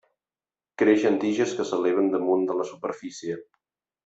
Creix en tiges que s'eleven damunt de la superfície.